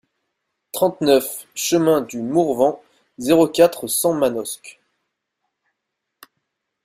trente-neuf chemin du Mourvenc, zéro quatre, cent Manosque